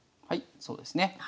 はいそうですね。